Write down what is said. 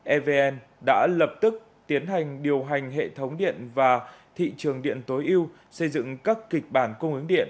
evn đã lập tức tiến hành điều hành hệ thống điện và thị trường điện tối ưu xây dựng các kịch bản cung ứng điện